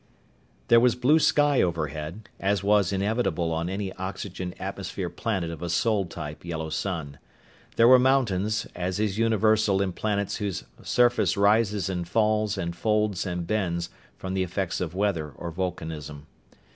There was blue sky overhead, as was inevitable on any oxygen atmosphere planet of a Sol type yellow sun. There were mountains, as is universal in planets whose surface rises and falls and folds and bends from the effects of weather or vulcanism.